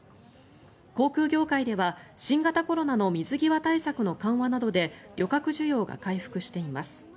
航空業界では新型コロナの水際対策の緩和などで旅客需要が回復しています。